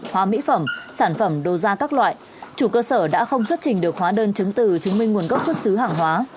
hóa mỹ phẩm sản phẩm đồ gia các loại chủ cơ sở đã không xuất trình được hóa đơn chứng từ chứng minh nguồn gốc xuất xứ hàng hóa